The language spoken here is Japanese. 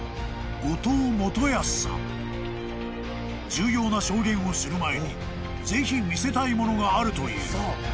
［重要な証言をする前にぜひ見せたいものがあるという］